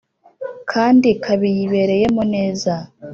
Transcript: kandi kabiyibereyemo neza